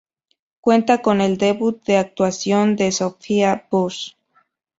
Cuenta con el debut de actuación de Sophia Bush.